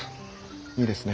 いいですね。